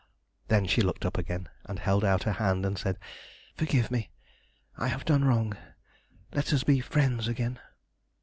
Then she looked up again, and held out her hand and said "Forgive me; I have done wrong! Let us be friends again!"